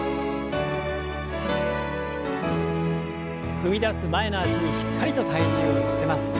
踏み出す前の脚にしっかりと体重を乗せます。